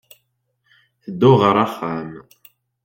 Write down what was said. Tedduɣ ɣer uxxam.